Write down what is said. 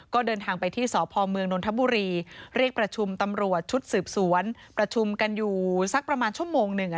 ก็เดินทางไปที่สพเมืองนนทบุรีเรียกประชุมตำรวจชุดสืบสวนประชุมกันอยู่สักประมาณชั่วโมงหนึ่ง